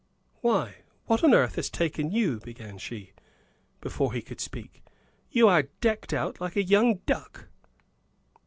"Why, what on earth has taken you?" began she, before he could speak. "You are decked out like a young duck!"